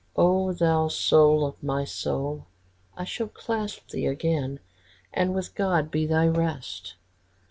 O thou soul of my soul, I shall clasp thee again, And with God be the rest!"